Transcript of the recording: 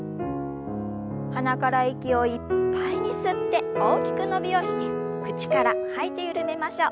鼻から息をいっぱいに吸って大きく伸びをして口から吐いて緩めましょう。